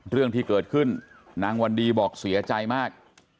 เรื่องที่เกิดขึ้นนางวันดีบอกเสียใจมาก